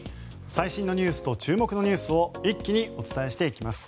最新ニュースと注目のニュースを一気にお伝えしていきます。